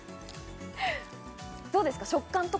どうですか？